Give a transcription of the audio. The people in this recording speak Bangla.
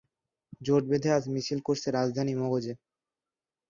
জোট বেঁধে আজ মিছিল করছে রাজধানী মগজে ।